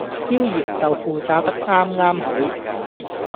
焦鹽豆腐炸得啱啱好